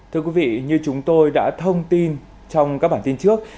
thưa quý vị như chúng tôi đã thông tin trong các bản tin trước